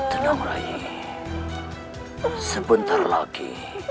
tenang rai sebentar lagi